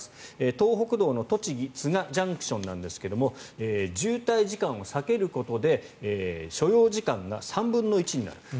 東北道の栃木都賀ＪＣＴなんですが渋滞時間を避けることで所要時間が３分の１になる。